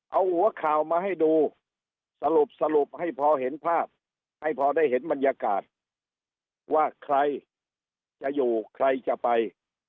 เอาหัวข่าวมาให้ดูสรุปสรุปให้พอเห็นภาพให้พอได้เห็นบรรยากาศว่าใครจะอยู่ใครจะไป